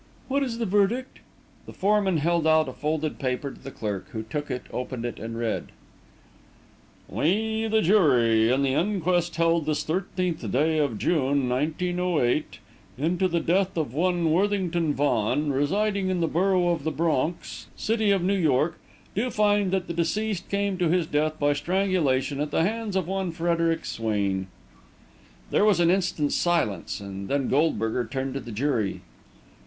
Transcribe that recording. "What is the verdict?" The foreman held out a folded paper to the clerk, who took it, opened it, and read: "We, the jury in the inquest held this thirteenth day of June, 1908, into the death of one Worthington Vaughan, residing in the Borough of the Bronx, City of New York, do find that the deceased came to his death by strangulation at the hands of one Frederic Swain." There was an instant's silence, and then Goldberger turned to the jury.